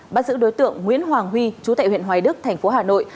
bắt giữ đối tượng nguyễn hoàng huy chú tại huyện hoài đức thành phố hà nội